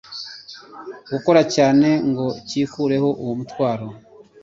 gukora cyane ngo cyikureho uwo mutwaro